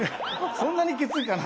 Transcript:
そんなにきついかな。